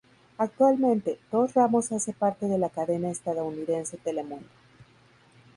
Actualmente, Dos Ramos hace parte de la cadena estadounidense Telemundo.